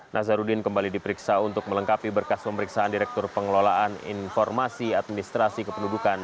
nazarudin kembali diperiksa untuk melengkapi berkas pemeriksaan direktur pengelolaan informasi administrasi kependudukan